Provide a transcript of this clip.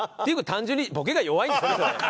単純にボケが弱いんですよねそれ。